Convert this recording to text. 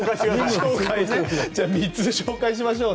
では、３つ目紹介しましょう。